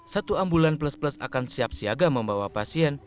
satu ambulan plus plus akan siap siaga membawa pasien